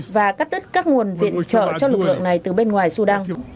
và cắt đứt các nguồn viện trợ cho lực lượng này từ bên ngoài sudan